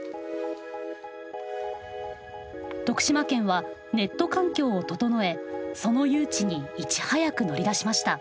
徳島県はネット環境を整えその誘致にいち早く乗り出しました。